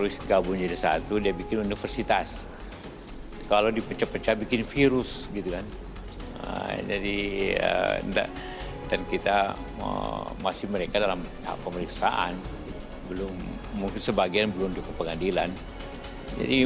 saya rasa ini adalah masalah yang harus di evaluasi